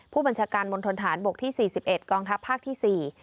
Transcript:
ผู้บัญชาการมณฑนฐานบกที่๔๑กองทัพภาคที่๔